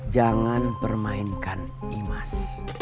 jangan permainkan imas